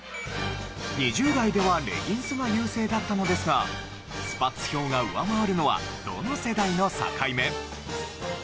２０代ではレギンスが優勢だったのですがスパッツ票が上回るのはどの世代の境目？